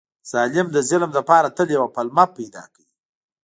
ظالم د ظلم لپاره تل یوه پلمه پیدا کوي.